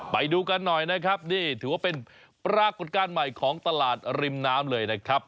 ไปดูกันหน่อยนะครับนี่ถือว่าเป็นปรากฏการณ์ใหม่ของตลาดริมน้ำเลยนะครับ